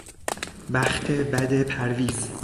بخت بد پرویز